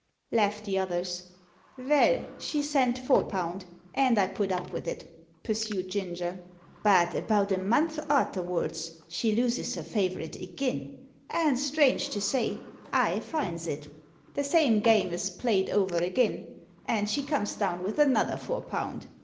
"Ha! ha! ha!" laughed the others. "Vell, she sent four pound, and I put up with it," pursued Ginger; "but about a month arterwards she loses her favourite agin, and, strange to say, I finds it. The same game is played over agin, and she comes down with another four pound.